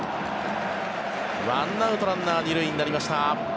１アウト、ランナー２塁になりました。